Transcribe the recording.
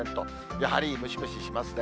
やはりムシムシしますね。